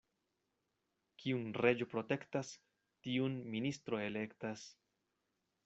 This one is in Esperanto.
Kiun reĝo protektas, tiun ministro elektas.